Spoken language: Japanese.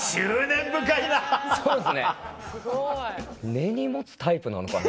根に持つタイプなのかな。